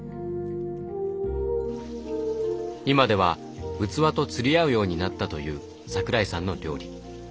今では器と釣り合うようになったという桜井さんの料理。